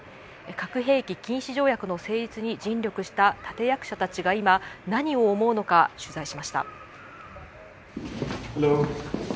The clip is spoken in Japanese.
核兵器禁止条約の成立に尽力した立て役者たちが今何を思うのか取材しました。